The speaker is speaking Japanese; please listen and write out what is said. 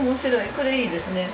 これいいですね。